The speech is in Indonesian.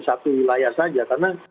satu wilayah saja karena